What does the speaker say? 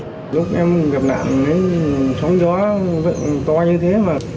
lúc em gặp nạn sóng gió vẫn to như thế